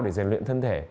để giải luyện thân thể